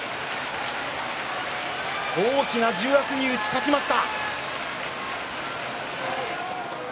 大きな重圧に打ち勝ちました。